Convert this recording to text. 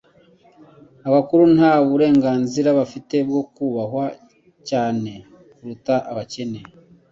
abakurugu nta burenganzira bafite bwo kubahwa cyane kuruta abakene.